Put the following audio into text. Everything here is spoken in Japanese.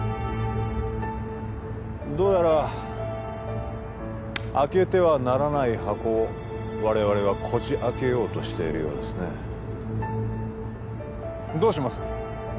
どうやら開けてはならない箱を我々はこじ開けようとしているようですねどうします？